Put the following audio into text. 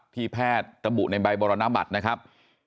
แพทย์ระบุในใบบรณบัตรนะครับ